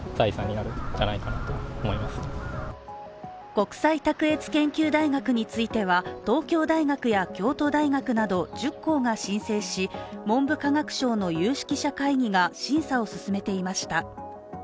国際卓越研究大学については、東京大学や京都大学など１０校が申請し、文部科学省の有識者会議が審査を進めていました。